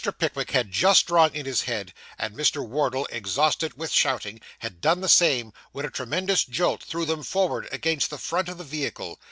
Pickwick had just drawn in his head, and Mr. Wardle, exhausted with shouting, had done the same, when a tremendous jolt threw them forward against the front of the vehicle.